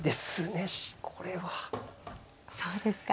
そうですか。